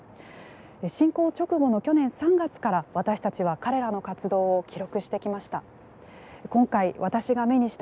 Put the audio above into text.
侵攻直後の去年３月から私たちは彼らの活動を記録してきました。